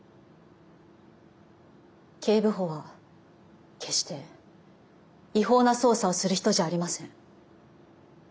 警部補は決して違法な捜査をする人じゃありません。